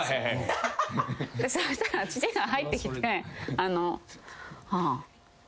そしたら父が入ってきて。